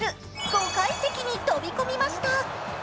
５階席に飛び込みました。